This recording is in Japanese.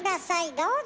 どうぞ！